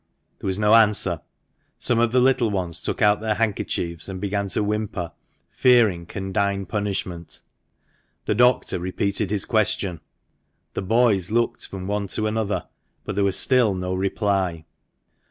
There was no answer. Some of the little ones took out their handkerchiefs and began to whimper, fearing condign punishment THE MANCHESTER MAN. 99 The doctor repeated his question. The boys looked from one to another, but there was still no reply.